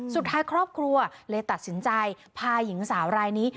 สุดท้ายครอบครัวเลยตัดสินใจพาหญิงสาวรายนี้